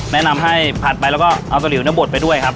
แนะนำให้ผัดไปแล้วก็เอากะหิวบดไปด้วยครับ